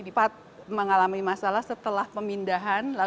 kita juga sempat mengalami masalah setelah pemindahan